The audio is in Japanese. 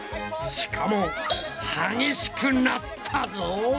しかも激しくなったぞ！